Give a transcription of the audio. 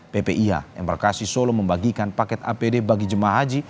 ppih embarkasi solo membagikan paket apd bagi jemaah haji